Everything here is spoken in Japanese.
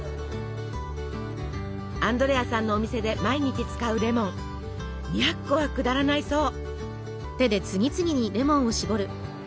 アンドレアさんのお店で毎日使うレモン２００個は下らないそう！